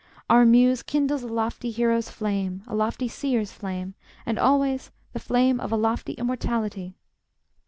Our Muse kindles a lofty hero's flame, a lofty seer's flame, and always the flame of a lofty immortality.